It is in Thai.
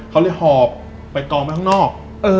เขาเลยหอบไปกองไปข้างนอก